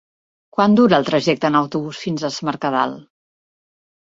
Quant dura el trajecte en autobús fins a Es Mercadal?